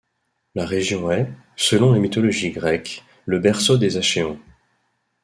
La région est, selon la mythologie grecque, le berceau des Achéens.